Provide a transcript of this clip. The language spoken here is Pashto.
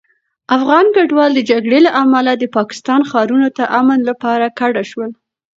افغان کډوال د جګړې له امله د پاکستان ښارونو ته امن لپاره کډه شول.